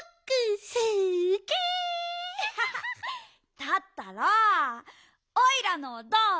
だったらオイラのをどうぞ！